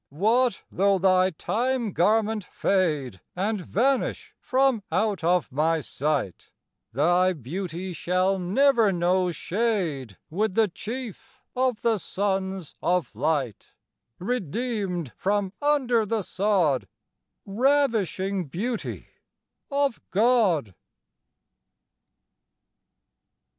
What though thy time garment fade And vanish from out of my sight, Thy beauty shall never know shade With the Chief of the sons of light Redeemed from under the sod, Ravishing beauty of God!